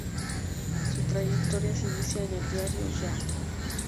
Su trayectoria se inicia en el "Diario Ya".